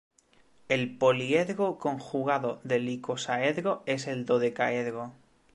El poliedro conjugado del icosaedro es el dodecaedro.